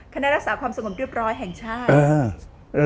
คณะรักษาความสงบเรียบร้อยแห่งชาติ